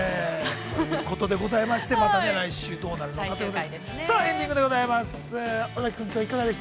◆ということでございまして、また来週どうなるのかということで。